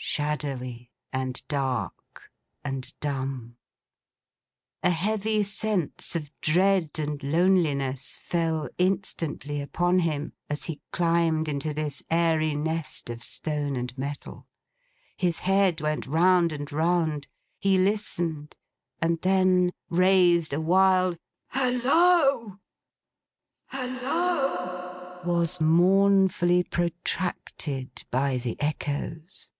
Shadowy, and dark, and dumb. A heavy sense of dread and loneliness fell instantly upon him, as he climbed into this airy nest of stone and metal. His head went round and round. He listened, and then raised a wild 'Holloa!' Holloa! was mournfully protracted by the echoes.